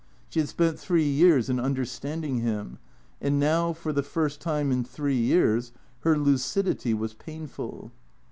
She had spent three years in understanding him. And now, for the first time in three years, her lucidity was painful.